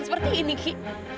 seperti ini ki